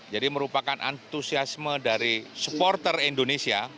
jadi merupakan antusiasme dari supporter indonesia